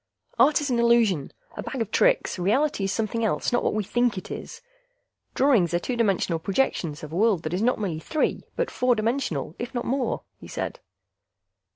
"Art is an illusion, a bag of tricks. Reality is something else, not what we think it is. Drawings are two dimensional projections of a world that is not merely three but four dimensional, if not more," he said.